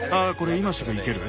今すぐ生ける？